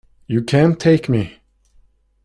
You can't take me!